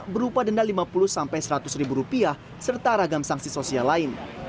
berupa denda lima puluh sampai seratus ribu rupiah serta ragam sanksi sosial lain